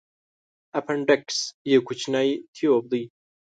اپنډکس یو کوچنی تیوب دی.